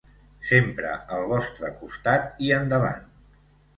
Sempre al vostre costat, i endavant!